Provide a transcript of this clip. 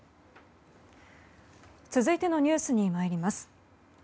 続いてのニュースに参ります。